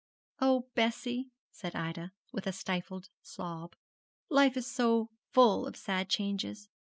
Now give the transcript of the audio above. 'Oh, Bessie!' said Ida, with a stifled sob, 'life is full of sad changes.